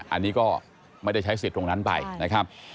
อันนี้ก็ไม่ได้ใช้สิทธิ์ตรงนั้นไปนะครับ